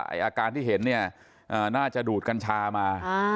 อาการที่เห็นเนี่ยน่าจะดูดกัญชามา